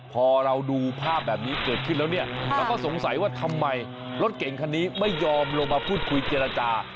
พอเราดูภาพแบบนี้เกิดขึ้นแล้วเนี่ยเราก็สงสัยว่าทำไมรถเก่งคันนี้ไม่ยอมลงมาพูดคุยเจรจา